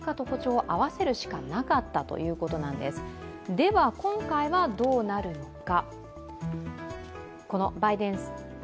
では、今回はどうなるのか。